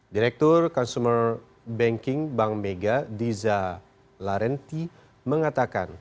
direktur consumer banking bank mega diza larenti mengatakan